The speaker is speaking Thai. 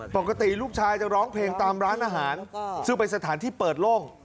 ปกติลูกชายจะร้องเพลงตามร้านอาหารซึ่งเป็นสถานที่เปิดโล่ง